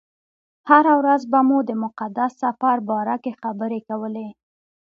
هره ورځ به مو د مقدس سفر باره کې خبرې کولې.